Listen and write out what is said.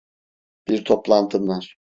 Bir toplantım var.